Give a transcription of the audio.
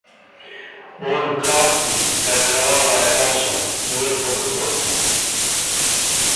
Он красный, как кровавая каша, и запутался.